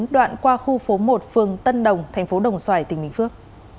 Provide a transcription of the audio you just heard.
đoạn qua khu phố một phương tân đồng tp đồng xoài tp binh phước